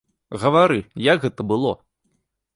Гавары, як гэта было?